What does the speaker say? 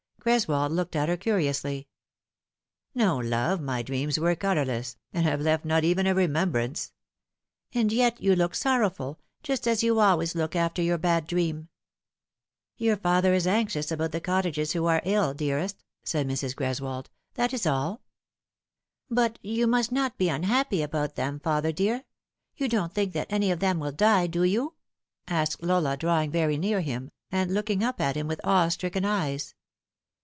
Greswold looked at her curiously. " No, love, my dreams were colourless, and have left not even a remembrance." " And yet you look sorrowful, just as you always look after your bad dream." " Your father is anxious about the cottagers who are ill, dearest," said Mrs. Greswold. " That is all." " But you must not be unhappy about them, father dear. You don't think that any of them will die, do you ?" asked Lola, drawing very near him, and looking up at him with awe stricken eyes.